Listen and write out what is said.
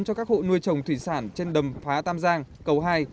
cho các hộ nuôi trồng thủy sản trên đầm phá tam giang cầu hai